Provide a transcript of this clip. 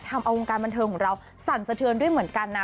ทำเอาวงการบันเทิงของเราสั่นสะเทือนด้วยเหมือนกันนะ